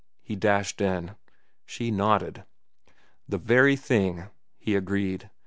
he dashed in. She nodded. "The very thing," he agreed.